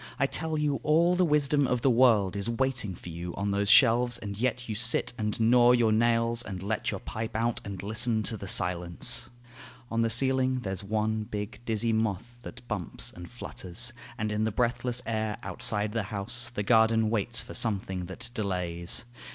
I tell you all the wisdom of the world Is waiting for you on those shelves; and yet You sit and gnaw your nails, and let your pipe out, And listen to the silence: on the ceiling There's one big, dizzy moth that bumps and flutters; And in the breathless air outside the house The garden waits for something that delays.